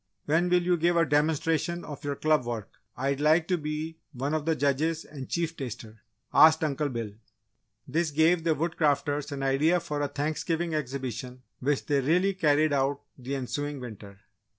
"When will you give a demonstration of your club work? I'd like to be one of the judges and chief taster," asked Uncle Bill. This gave the Woodcrafters an idea for a Thanksgiving exhibition which they really carried out the ensuing winter.